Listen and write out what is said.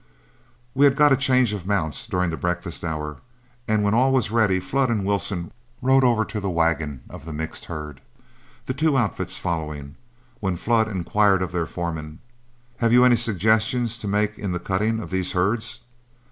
We had got a change of mounts during the breakfast hour, and when all was ready Flood and Wilson rode over to the wagon of the mixed herd, the two outfits following, when Flood inquired of their foreman, "Have you any suggestions to make in the cutting of these herds?"